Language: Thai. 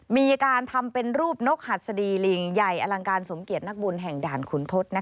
มีการทำเป็นรูปนกหัดสดีลิงใหญ่อลังการสมเกียจนักบุญแห่งด่านขุนทศ